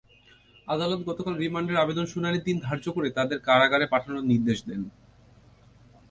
আদালত গতকাল রিমান্ডের আবেদনের শুনানির দিন ধার্য করে তাদের কারাগারে পাঠানোর নির্দেশ দেন।